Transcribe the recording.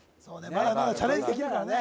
まだまだチャレンジできるからね・